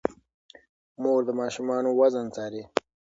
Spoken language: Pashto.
مور د ماشومانو وزن څاري.